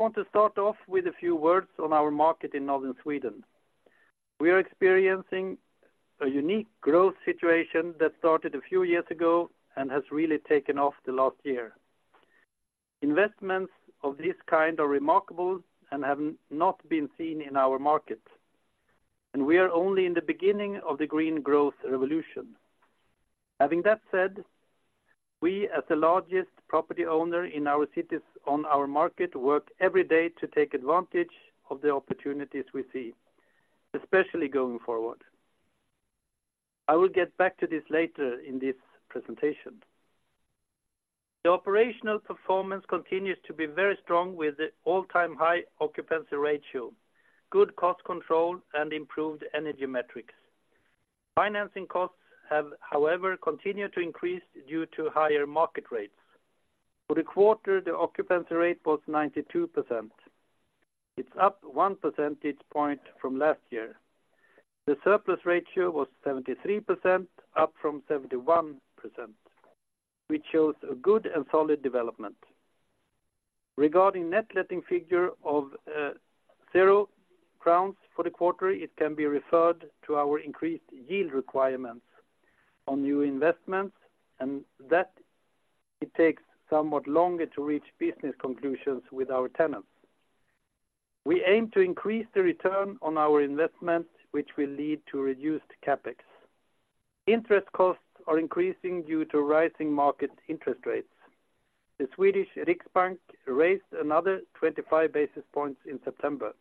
I want to start off with a few words on our market in Northern Sweden. We are experiencing a unique growth situation that started a few years ago and has really taken off the last year. Investments of this kind are remarkable and have not been seen in our market, and we are only in the beginning of the green growth revolution. Having that said, we, as the largest property owner in our cities on our market, work every day to take advantage of the opportunities we see, especially going forward. I will get back to this later in this presentation. The operational performance continues to be very strong with the all-time high occupancy ratio, good cost control, and improved energy metrics. Financing costs have, however, continued to increase due to higher market rates. For the quarter, the occupancy rate was 92%. It's up 1 percentage point from last year. The surplus ratio was 73%, up from 71%, which shows a good and solid development. Regarding net letting figure of zero SEK for the quarter, it can be referred to our increased yield requirements on new investments, and that it takes somewhat longer to reach business conclusions with our tenants. We aim to increase the return on our investment, which will lead to reduced CapEx. Interest costs are increasing due to rising market interest rates. The Sveriges Riksbank raised another 25 basis points in September.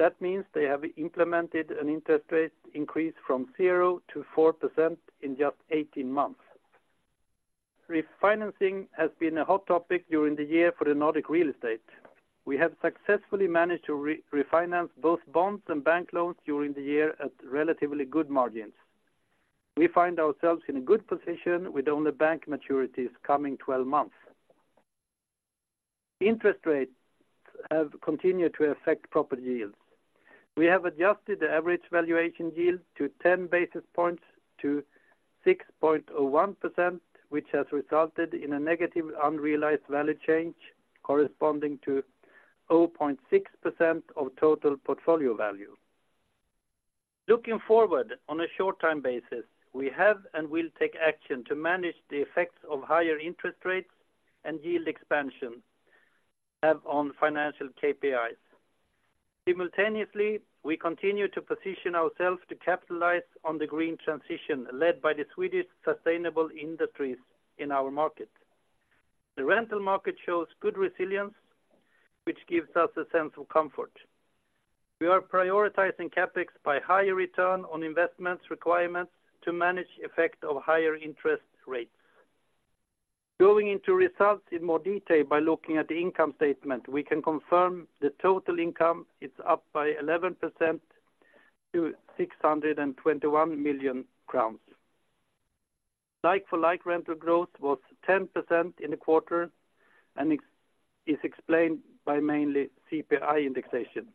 That means they have implemented an interest rate increase from 0%-4% in just 18 months. Refinancing has been a hot topic during the year for the Nordic real estate. We have successfully managed to refinance both bonds and bank loans during the year at relatively good margins. We find ourselves in a good position with only bank maturities coming 12 months. Interest rates have continued to affect property yields. We have adjusted the average valuation yield to 10 basis points to 6.01%, which has resulted in a negative unrealized value change corresponding to 0.6% of total portfolio value. Looking forward, on a short-time basis, we have and will take action to manage the effects of higher interest rates and yield expansion have on financial KPIs. Simultaneously, we continue to position ourselves to capitalize on the green transition led by the Swedish sustainable industries in our market. The rental market shows good resilience, which gives us a sense of comfort. We are prioritizing CapEx by higher return on investments requirements to manage the effect of higher interest rates. Going into results in more detail by looking at the income statement, we can confirm the total income is up by 11% to SEK 621 million. Like-for-like rental growth was 10% in the quarter and is explained by mainly CPI indexation.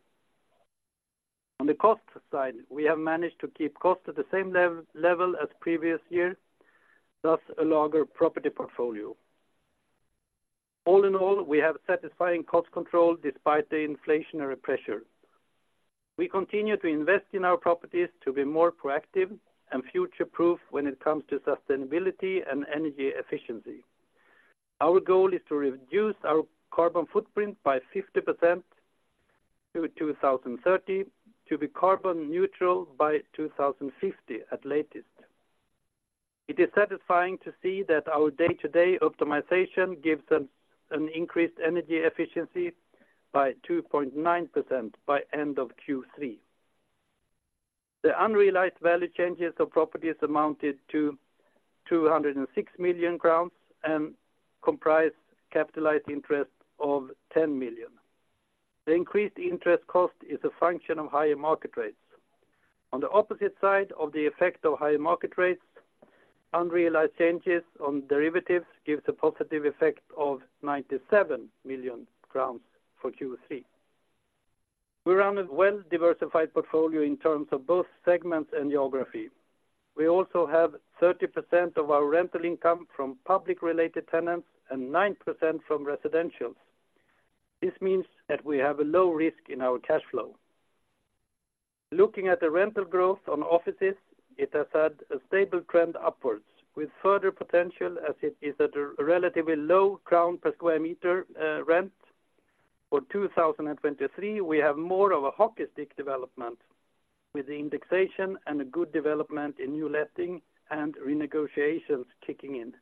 On the cost side, we have managed to keep costs at the same level as previous year, thus a larger property portfolio. All in all, we have satisfying cost control despite the inflationary pressure. We continue to invest in our properties to be more proactive and future-proof when it comes to sustainability and energy efficiency. Our goal is to reduce our carbon footprint by 50% to 2030, to be carbon neutral by 2050 at latest. It is satisfying to see that our day-to-day optimization gives us an increased energy efficiency by 2.9% by end of Q3. The unrealized value changes of properties amounted to 206 million crowns and comprised capitalized interest of 10 million. The increased interest cost is a function of higher market rates. On the opposite side of the effect of higher market rates, unrealized changes on derivatives gives a positive effect of 97 million for Q3. We run a well-diversified portfolio in terms of both segments and geography. We also have 30% of our rental income from public-related tenants and 9% from residential. This means that we have a low risk in our cash flow. Looking at the rental growth on offices, it has had a stable trend upwards, with further potential as it is at a relatively low crown per square meter rent. For 2023, we have more of a hockey stick development with the indexation and a good development in new letting and renegotiations kicking in.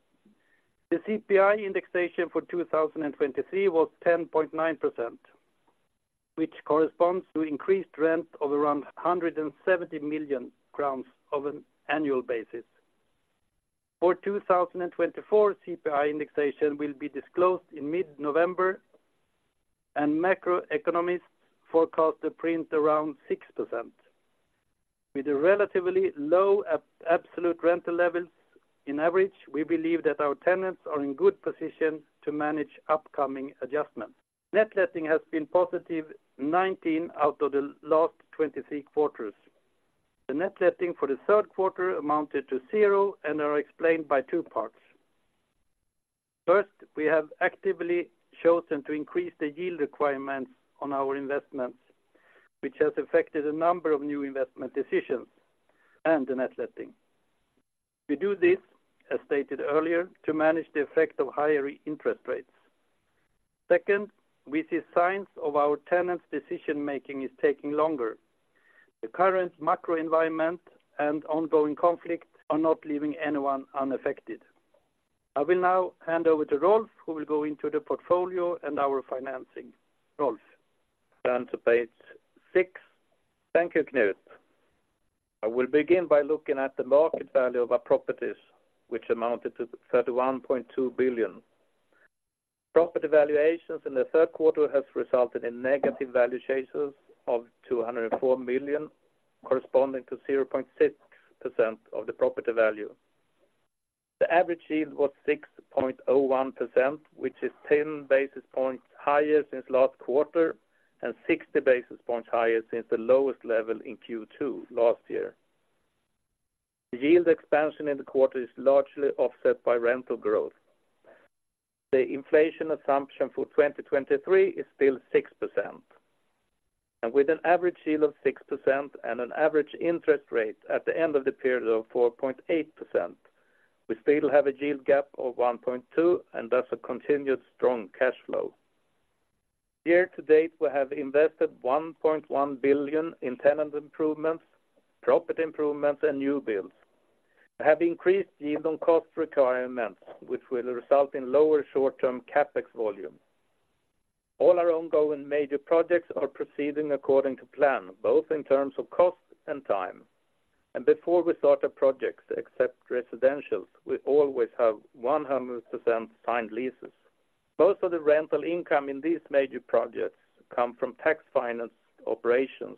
The CPI indexation for 2023 was 10.9%, which corresponds to increased rent of around 170 million crowns on an annual basis. For 2024, CPI indexation will be disclosed in mid-November, and macroeconomists forecast a print around 6%. With a relatively low absolute rental levels in average, we believe that our tenants are in good position to manage upcoming adjustments. Net letting has been positive 19 out of the last 23 quarters. The net letting for the third quarter amounted to zero and are explained by two parts. First, we have actively chosen to increase the yield requirements on our investments, which has affected a number of new investment decisions and the net letting. We do this, as stated earlier, to manage the effect of higher interest rates. Second, we see signs of our tenants' decision-making is taking longer. The current macro environment and ongoing conflict are not leaving anyone unaffected. I will now hand over to Rolf, who will go into the portfolio and our financing. Rolf? Turn to page six. Thank you, Knut. I will begin by looking at the market value of our properties, which amounted to 31.2 billion. Property valuations in the third quarter has resulted in negative value changes of 204 million, corresponding to 0.6% of the property value. The average yield was 6.01%, which is 10 basis points higher since last quarter, and 60 basis points higher since the lowest level in Q2 last year. The yield expansion in the quarter is largely offset by rental growth. The inflation assumption for 2023 is still 6%, and with an average yield of 6% and an average interest rate at the end of the period of 4.8%, we still have a yield gap of 1.2, and thus a continued strong cash flow. Year to date, we have invested 1.1 billion in tenant improvements, property improvements, and new builds. We have increased yield on cost requirements, which will result in lower short-term CapEx volumes. All our ongoing major projects are proceeding according to plan, both in terms of cost and time, and before we start our projects, except residentials, we always have 100% signed leases. Most of the rental income in these major projects come from tax-financed operations.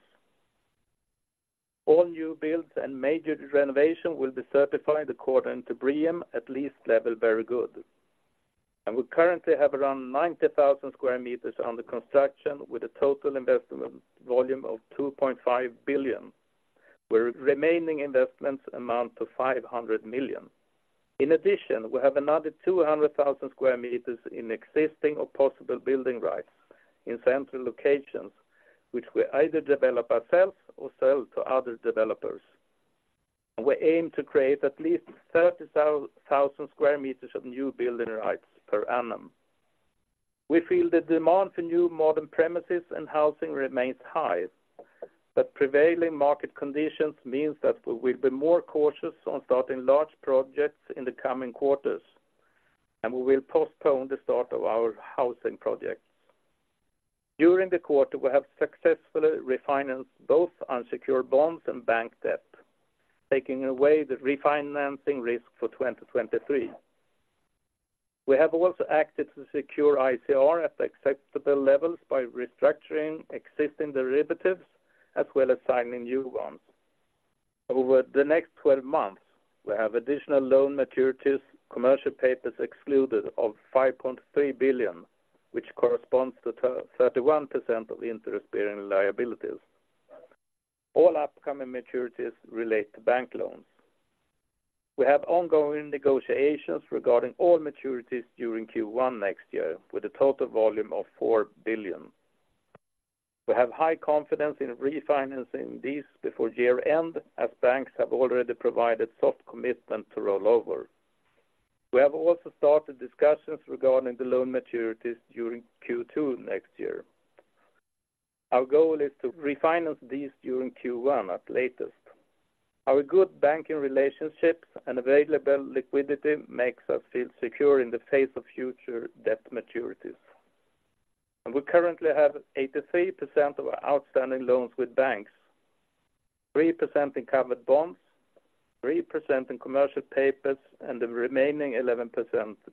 All new builds and major renovation will be certified according to BREEAM, at least level very good. We currently have around 90,000 sq m under construction, with a total investment volume of 2.5 billion, where remaining investments amount to 500 million. In addition, we have another 200,000 sq m in existing or possible building rights in central locations, which we either develop ourselves or sell to other developers. We aim to create at least 30,000 sq m of new building rights per annum. We feel the demand for new modern premises and housing remains high, but prevailing market conditions means that we will be more cautious on starting large projects in the coming quarters, and we will postpone the start of our housing projects. During the quarter, we have successfully refinanced both unsecured bonds and bank debt, taking away the refinancing risk for 2023. We have also acted to secure ICR at acceptable levels by restructuring existing derivatives, as well as signing new ones. Over the next twelve months, we have additional loan maturities, commercial papers excluded, of 5.3 billion, which corresponds to 31% of interest-bearing liabilities. All upcoming maturities relate to bank loans. We have ongoing negotiations regarding all maturities during Q1 next year with a total volume of 4 billion. We have high confidence in refinancing these before year-end, as banks have already provided soft commitment to rollover. We have also started discussions regarding the loan maturities during Q2 next year. Our goal is to refinance these during Q1 at latest. Our good banking relationships and available liquidity makes us feel secure in the face of future debt maturities. And we currently have 83% of our outstanding loans with banks, 3% in covered bonds, 3% in commercial papers, and the remaining 11%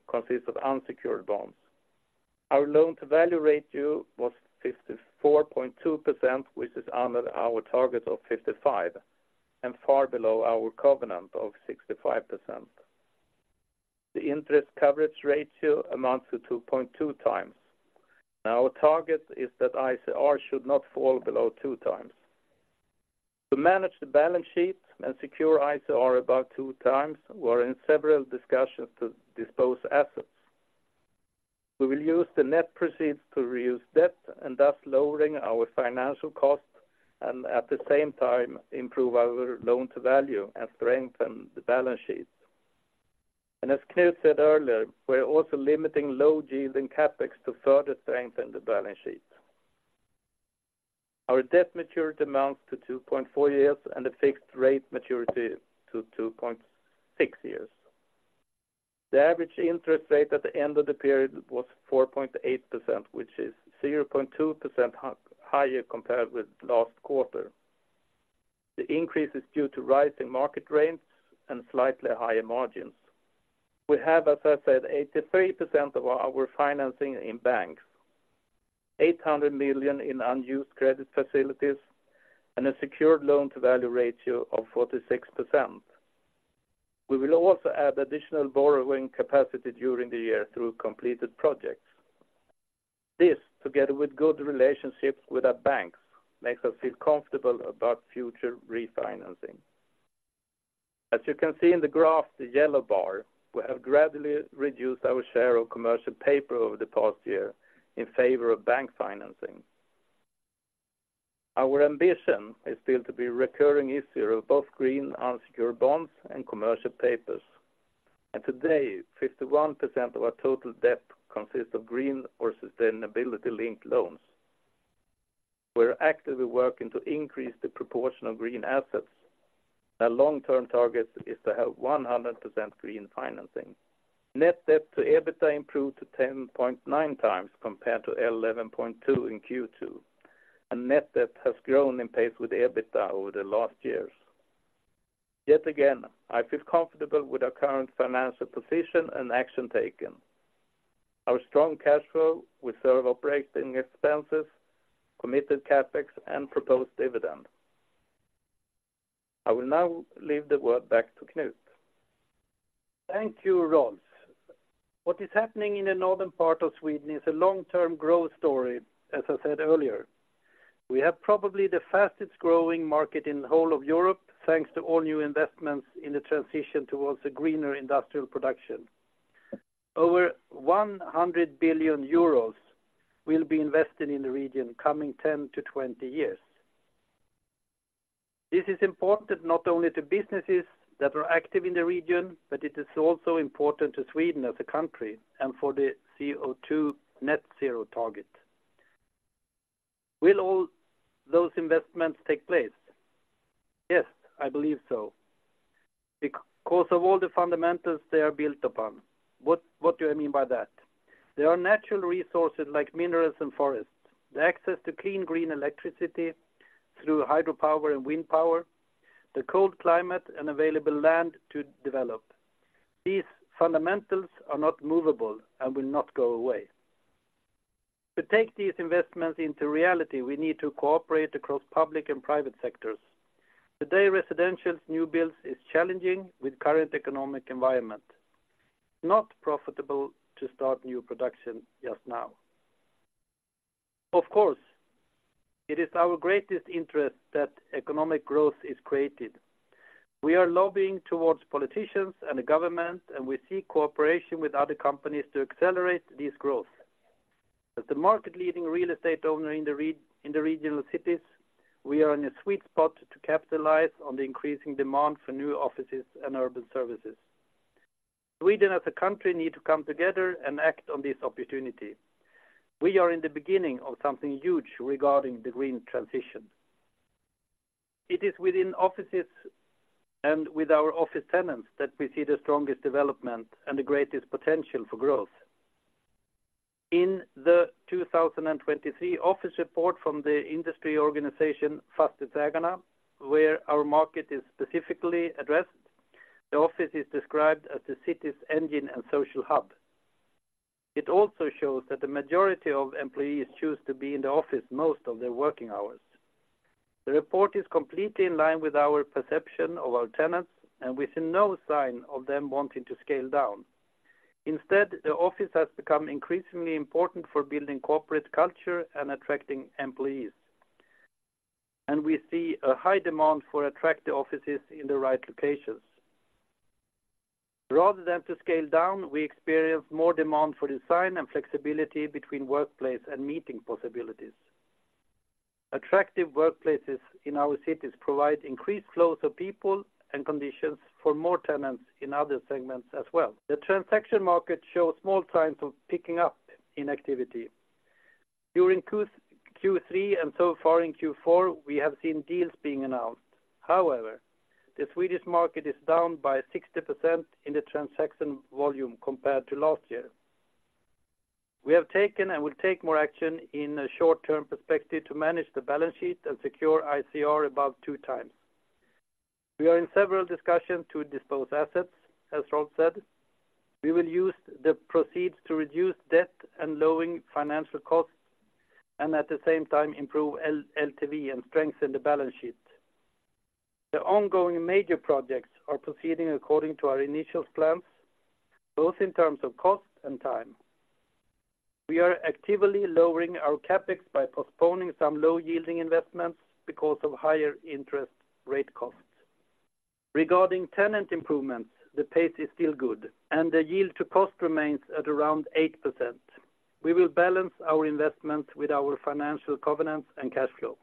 consists of unsecured bonds. Our loan-to-value ratio was 54.2%, which is under our target of 55, and far below our covenant of 65%. The interest coverage ratio amounts to 2.2x. Now, our target is that ICR should not fall below 2x. To manage the balance sheet and secure ICR above 2x, we're in several discussions to dispose assets. We will use the net proceeds to reuse debt and thus lowering our financial costs and at the same time, improve our loan-to-value and strengthen the balance sheet. As Knut said earlier, we're also limiting low-yielding CapEx to further strengthen the balance sheet. Our debt maturity amounts to 2.4 years and the fixed rate maturity to 2.6 years. The average interest rate at the end of the period was 4.8%, which is 0.2% higher compared with last quarter. The increase is due to rising market rates and slightly higher margins. We have, as I said, 83% of our financing in banks, 800 million in unused credit facilities, and a secured loan-to-value ratio of 46%. We will also add additional borrowing capacity during the year through completed projects. This, together with good relationships with our banks, makes us feel comfortable about future refinancing. As you can see in the graph, the yellow bar, we have gradually reduced our share of commercial paper over the past year in favor of bank financing. Our ambition is still to be a recurring issuer of both green unsecured bonds and commercial papers, and today, 51% of our total debt consists of green or sustainability-linked loans. We're actively working to increase the proportion of green assets. Our long-term target is to have 100% green financing. Net debt to EBITDA improved to 10.9x compared to 11.2 in Q2, and net debt has grown in pace with EBITDA over the last years. Yet again, I feel comfortable with our current financial position and action taken. Our strong cash flow will serve operating expenses, committed CapEx, and proposed dividend. I will now leave the word back to Knut. Thank you, Rolf. What is happening in the northern part of Sweden is a long-term growth story, as I said earlier. We have probably the fastest-growing market in the whole of Europe, thanks to all new investments in the transition towards a greener industrial production. Over 100 billion euros will be invested in the region coming 10-20 years. This is important not only to businesses that are active in the region, but it is also important to Sweden as a country and for the CO2 net zero target. Will all those investments take place? Yes, I believe so. Because of all the fundamentals they are built upon. What, what do I mean by that? There are natural resources like minerals and forests, the access to clean green electricity through hydropower and wind power, the cold climate and available land to develop. These fundamentals are not movable and will not go away. To take these investments into reality, we need to cooperate across public and private sectors. Today, residential new builds is challenging with current economic environment, not profitable to start new production just now. Of course, it is our greatest interest that economic growth is created. We are lobbying towards politicians and the government, and we seek cooperation with other companies to accelerate this growth. As the market-leading real estate owner in the regional cities, we are in a sweet spot to capitalize on the increasing demand for new offices and urban services. Sweden as a country need to come together and act on this opportunity. We are in the beginning of something huge regarding the green transition. It is within offices and with our office tenants that we see the strongest development and the greatest potential for growth. In the 2023 office report from the industry organization, Fastighetsägarna, where our market is specifically addressed, the office is described as the city's engine and social hub. It also shows that the majority of employees choose to be in the office most of their working hours. The report is completely in line with our perception of our tenants, and we see no sign of them wanting to scale down. Instead, the office has become increasingly important for building corporate culture and attracting employees. We see a high demand for attractive offices in the right locations. Rather than to scale down, we experience more demand for design and flexibility between workplace and meeting possibilities. Attractive workplaces in our cities provide increased flows of people and conditions for more tenants in other segments as well. The transaction market shows small signs of picking up in activity. During Q1-Q3 and so far in Q4, we have seen deals being announced. However, the Swedish market is down by 60% in the transaction volume compared to last year. We have taken and will take more action in a short-term perspective to manage the balance sheet and secure ICR above 2x. We are in several discussions to dispose assets, as Rolf said. We will use the proceeds to reduce debt and lowering financial costs and at the same time improve LTV and strengthen the balance sheet. The ongoing major projects are proceeding according to our initial plans, both in terms of cost and time. We are actively lowering our CapEx by postponing some low-yielding investments because of higher interest rate costs. Regarding tenant improvements, the pace is still good, and the yield to cost remains at around 8%. We will balance our investment with our financial covenants and cash flow.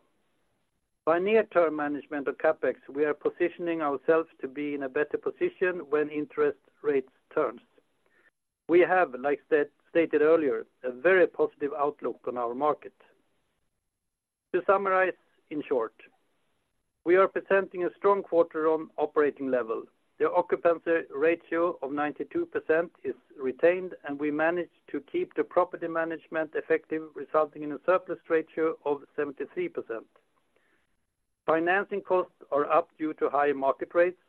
By near-term management of CapEx, we are positioning ourselves to be in a better position when interest rates turns. We have, like said, stated earlier, a very positive outlook on our market. To summarize, in short, we are presenting a strong quarter on operating level. The occupancy ratio of 92% is retained, and we managed to keep the property management effective, resulting in a surplus ratio of 73%. Financing costs are up due to higher market rates.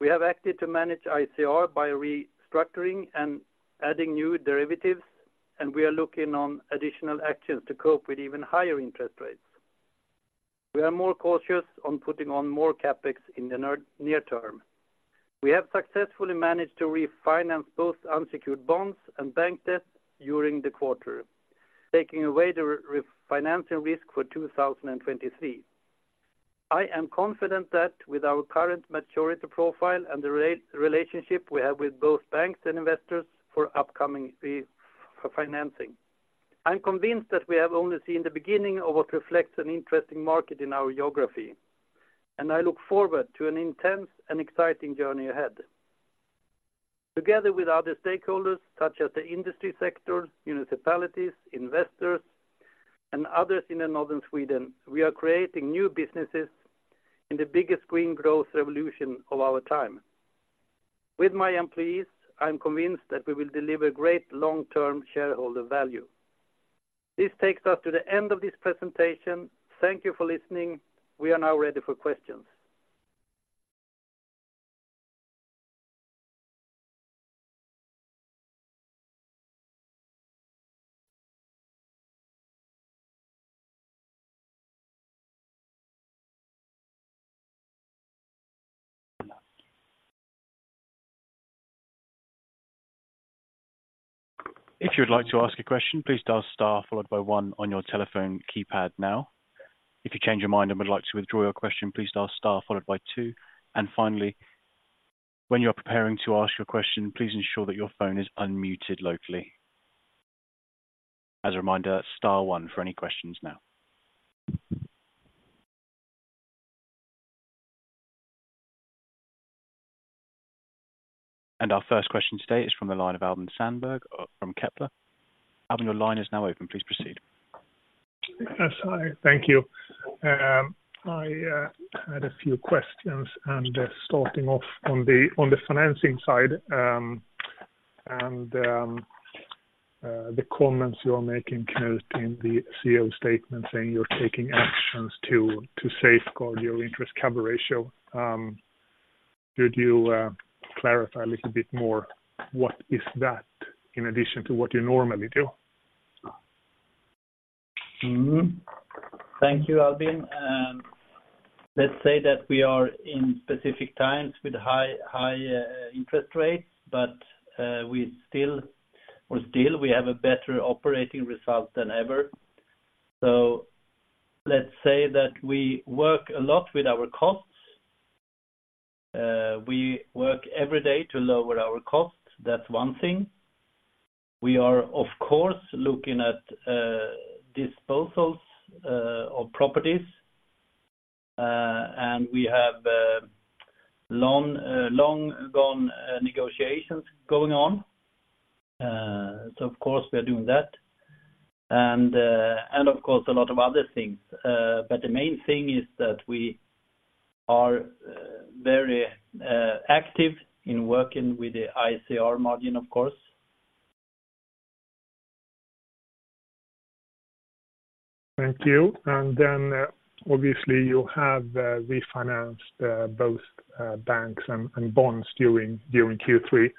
We have acted to manage ICR by restructuring and adding new derivatives, and we are looking on additional actions to cope with even higher interest rates. We are more cautious on putting on more CapEx in the near, near term. We have successfully managed to refinance both unsecured bonds and bank debts during the quarter, taking away the refinancing risk for 2023. I am confident that with our current maturity profile and the relationship we have with both banks and investors for upcoming refinancing, I'm convinced that we have only seen the beginning of what reflects an interesting market in our geography, and I look forward to an intense and exciting journey ahead. Together with other stakeholders, such as the industry sector, municipalities, investors, and others in Northern Sweden, we are creating new businesses in the biggest green growth revolution of our time. With my employees, I'm convinced that we will deliver great long-term shareholder value. This takes us to the end of this presentation. Thank you for listening. We are now ready for questions. If you would like to ask a question, please dial star followed by one on your telephone keypad now. If you change your mind and would like to withdraw your question, please dial star followed by two. And finally, when you are preparing to ask your question, please ensure that your phone is unmuted locally. As a reminder, star one for any questions now. And our first question today is from the line of Albin Sandberg, from Kepler. Albin, your line is now open. Please proceed. Yes, hi. Thank you. I had a few questions, and starting off on the financing side, and the comments you are making, Knut, in the CEO statement, saying you're taking actions to safeguard your interest cover ratio. Could you clarify a little bit more, what is that in addition to what you normally do? Mm-hmm. Thank you, Albin. Let's say that we are in specific times with high, high interest rates, but we still, or still, we have a better operating result than ever. So let's say that we work a lot with our costs. We work every day to lower our costs. That's one thing. We are, of course, looking at disposals of properties, and we have long, long gone negotiations going on. So of course, we are doing that, and, and of course, a lot of other things. But the main thing is that we are very active in working with the ICR margin, of course. Thank you. And then, obviously, you have refinanced both banks and bonds during Q3.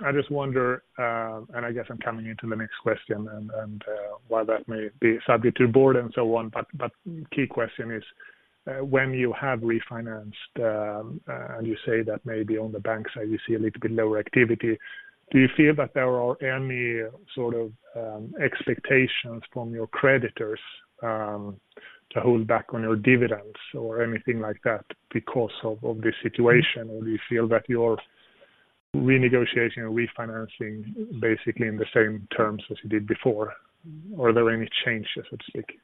I just wonder, and I guess I'm coming into the next question, and while that may be subject to board and so on, but key question is, when you have refinanced, and you say that maybe on the bank side, you see a little bit lower activity, do you feel that there are any sort of expectations from your creditors to hold back on your dividends or anything like that because of this situation? Or do you feel that you're renegotiating or refinancing basically in the same terms as you did before? Are there any changes, so to speak?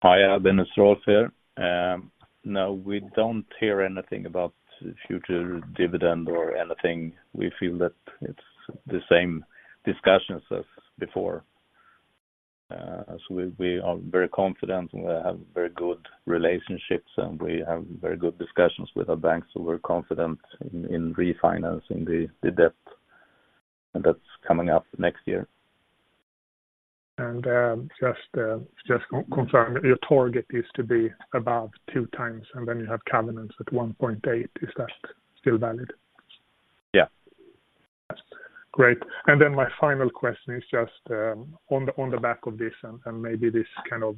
Hi, Albin, it's Rolf here. No, we don't hear anything about future dividend or anything. We feel that it's the same discussions as before. So we are very confident. We have very good relationships, and we have very good discussions with our banks, so we're confident in refinancing the debt that's coming up next year. Just confirm, your target is to be above 2x, and then you have covenants at 1.8. Is that still valid? Yeah. Great. And then my final question is just on the back of this, and maybe this kind of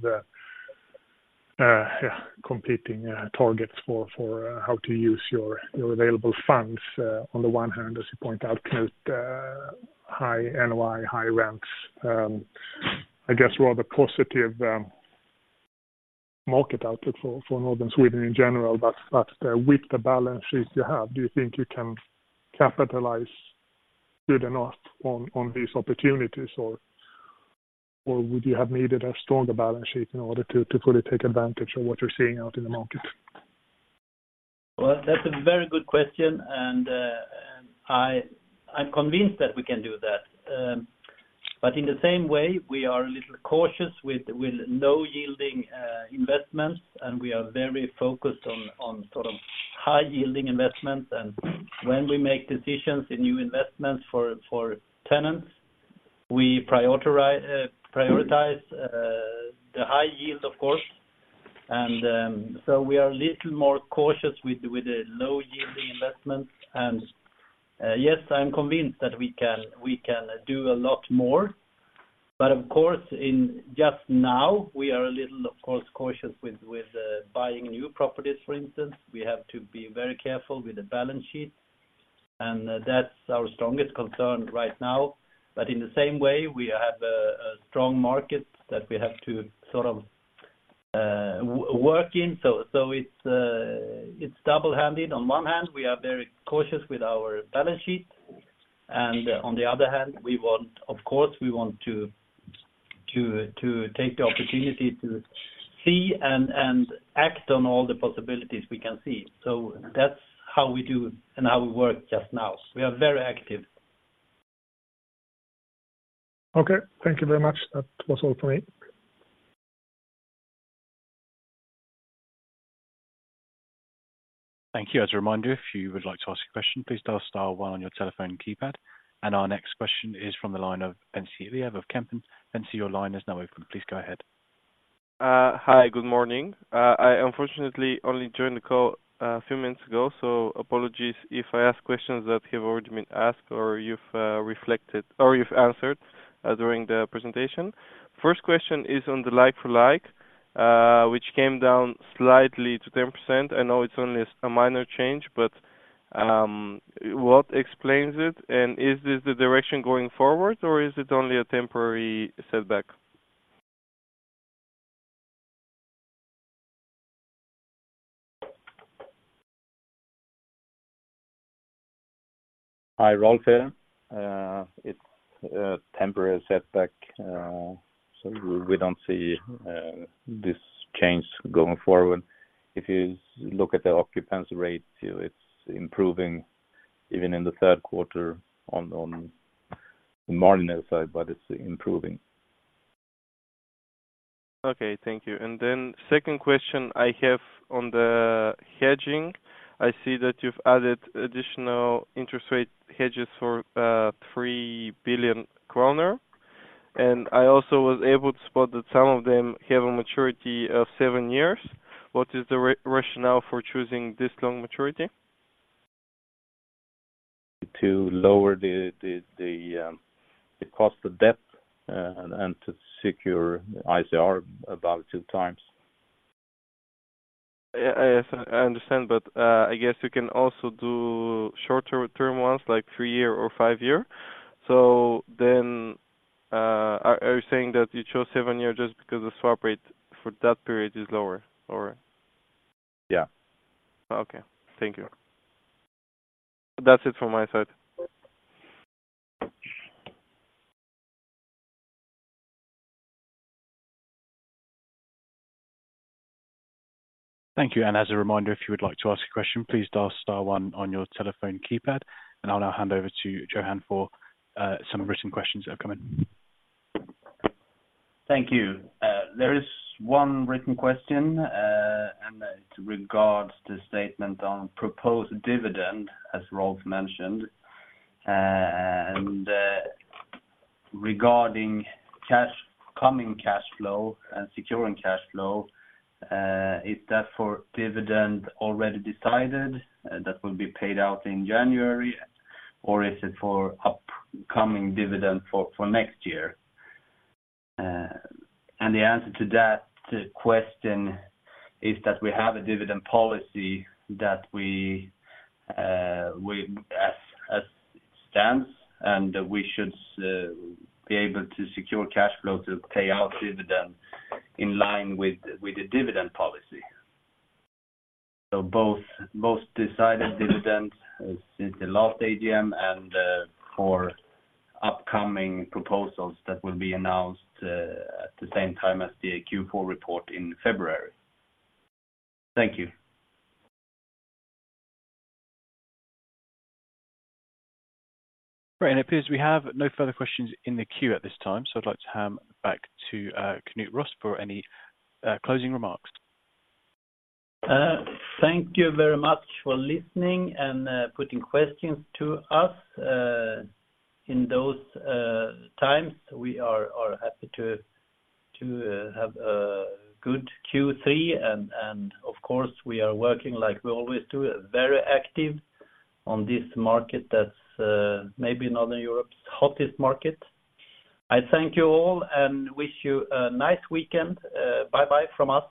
competing targets for how to use your available funds. On the one hand, as you point out, Knut, high NOI, high rents, I guess rather positive market outlook for Northern Sweden in general, but with the balance sheet you have, do you think you can capitalize good enough on these opportunities, or would you have needed a stronger balance sheet in order to fully take advantage of what you're seeing out in the market? Well, that's a very good question, and I, I'm convinced that we can do that. But in the same way, we are a little cautious with non-yielding investments, and we are very focused on sort of high-yielding investments. And when we make decisions in new investments for tenants, we prioritize the high yield, of course. And so we are a little more cautious with the low-yielding investments. And yes, I'm convinced that we can do a lot more. But of course, just now, we are a little cautious with buying new properties, for instance. We have to be very careful with the balance sheet, and that's our strongest concern right now. But in the same way, we have a strong market that we have to sort of work in. So it's double-handed. On one hand, we are very cautious with our balance sheet, and on the other hand, we want, of course, we want to take the opportunity to see and act on all the possibilities we can see. So that's how we do and how we work just now. We are very active. Okay, thank you very much. That was all for me. Thank you. As a reminder, if you would like to ask a question, please dial star one on your telephone keypad. Our next question is from the line of Nancy Lev of Van Lanschot Kempen. Nancy, your line is now open. Please go ahead. Hi, good morning. I unfortunately only joined the call a few minutes ago, so apologies if I ask questions that have already been asked or you've reflected, or you've answered during the presentation. First question is on the like-for-like, which came down slightly to 10%. I know it's only a minor change, but what explains it? And is this the direction going forward, or is it only a temporary setback? Hi, Rolf here. It's a temporary setback, so we don't see this change going forward. If you look at the occupancy rate, it's improving even in the third quarter on the marginal side, but it's improving. Okay, thank you. Second question I have on the hedging. I see that you've added additional interest rate hedges for 3 billion kronor. I also was able to spot that some of them have a maturity of seven years. What is the rationale for choosing this long maturity? To lower the cost of debt, and to secure ICR about 2x. Yeah, I understand, but I guess you can also do shorter-term ones, like three-year or five-year. So then, are you saying that you chose seven-year just because the swap rate for that period is lower, or? Yeah. Okay, thank you. That's it from my side. Thank you. And as a reminder, if you would like to ask a question, please dial star one on your telephone keypad, and I'll now hand over to Johan for some written questions that have come in. Thank you. There is one written question, and it regards the statement on proposed dividend, as Rolf mentioned. Regarding cash, coming cash flow and securing cash flow, is that for dividend already decided, that will be paid out in January, or is it for upcoming dividend for next year? And the answer to that question is that we have a dividend policy that we, we as it stands, and we should be able to secure cash flow to pay out dividend in line with the dividend policy. So both, both decided dividends since the last AGM and for upcoming proposals that will be announced at the same time as the Q4 report in February. Thank you. Great. And it appears we have no further questions in the queue at this time, so I'd like to hand back to Knut Rost for any closing remarks. Thank you very much for listening and putting questions to us in those times. We are happy to have a good Q3, and of course, we are working like we always do, very active on this market that's maybe Northern Europe's hottest market. I thank you all and wish you a nice weekend. Bye-bye from us.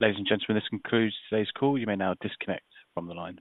Ladies and gentlemen, this concludes today's call. You may now disconnect from the line.